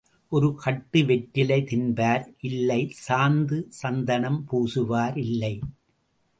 ஒரு கட்டு வெற்றிலை தின்பார் இல்லை, சாந்து சந்தனம் பூசுவார் இல்லை.